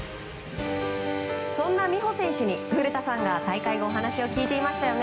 そんな美帆選手に古田さんが大会後、お話を聞いていましたね。